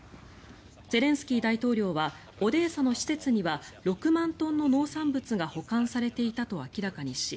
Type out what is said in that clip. ゼレンスキー大統領はオデーサの施設には６万トンの農産物が保管されていたと明らかにし